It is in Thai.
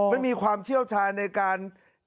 ไม่มีความเชี่ยวชาญในการ